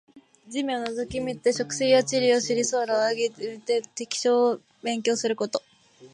地面を覗き見て植生や地理を知り、空を仰ぎ見て天文や気象を勉強すること。